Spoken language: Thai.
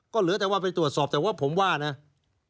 ก็เหลือแต่ว่าไปตรวจสอบแต่ว่าผมว่านะ